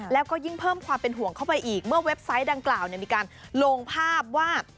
แล้วก็ยิ่งเพิ่มความเป็นห่วงเข้าไปอีกเมื่อเว็บไซต์ดังกล่าวมีการลงภาพว่า